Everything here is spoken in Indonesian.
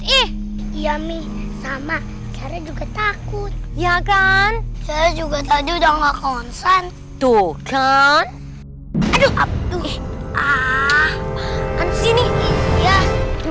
nih iya mi sama cara juga takut ya kan saya juga tadi udah nggak konsen tuh kan aduh abduh